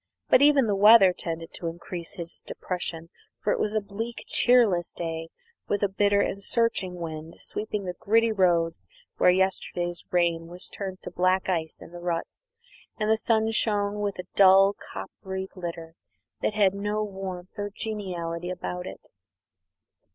But even the weather tended to increase his depression, for it was a bleak, cheerless day, with a bitter and searching wind sweeping the gritty roads where yesterday's rain was turned to black ice in the ruts, and the sun shone with a dull coppery glitter that had no warmth or geniality about it.